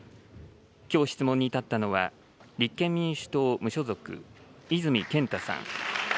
きょう質問に立ったのは、立憲民主党・無所属、泉健太さん。